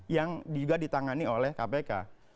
yang juga ditangani oleh kpk